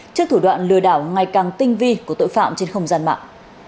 trước thủ đoạn lừa đảo ngày càng tinh vi của tội phạm trên không gian mạng